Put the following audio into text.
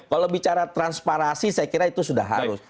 kalau bicara transparasi saya kira itu sudah harus